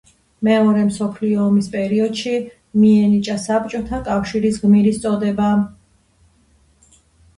მეორე მსოფლიო ომის პერიოდში მიენიჭა საბჭოთა კავშირის გმირის წოდება.